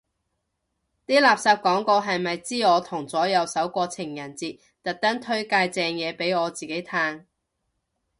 啲垃圾廣告係咪知我同左右手過情人節，特登推介正嘢俾我自己嘆